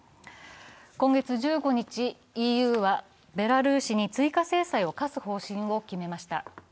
今月１５日、ＥＵはベラルーシに追加制裁を科す方針を決めました。